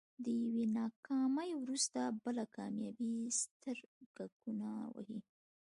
له يوې ناکامي وروسته بله کاميابي سترګکونه وهي.